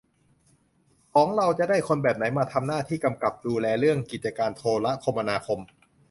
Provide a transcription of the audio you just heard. ของเราจะได้คนแบบไหนมาทำหน้าที่กำกับดูแลเรื่องกิจการโทรคมนาคม